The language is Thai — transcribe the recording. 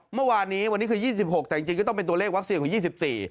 เมื่อวานนี้วันนี้คือ๒๖แต่จริงก็ต้องเป็นตัวเลขวัคซีนคือ๒๔